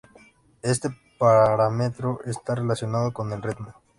Éste parámetro está relacionado con el ritmo.